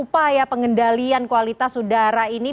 upaya pengendalian kualitas udara ini